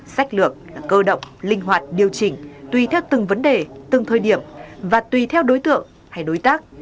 sách lược là cơ động linh hoạt điều chỉnh tùy theo từng vấn đề từng thời điểm và tùy theo đối tượng hay đối tác